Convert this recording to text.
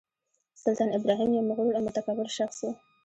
سلطان ابراهیم یو مغرور او متکبر شخص و.